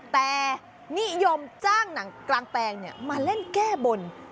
แต่นิยมจ้างหนังกลางแปลงมาเล่นแก้บน